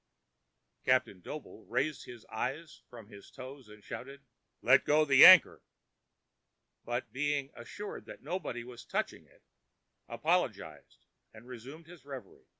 Captain Doble raised his eyes from his toes and shouted: "Let go the anchor!" but being assured that nobody was touching it, apologized and resumed his revery.